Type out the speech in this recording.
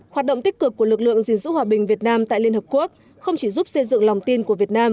hoạt động tích cực của lực lượng gìn giữ hòa bình việt nam tại liên hợp quốc không chỉ giúp xây dựng lòng tin của việt nam